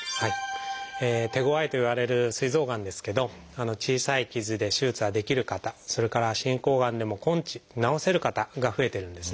手ごわいといわれるすい臓がんですけど小さい傷で手術ができる方それから進行がんでも根治治せる方が増えてるんですね。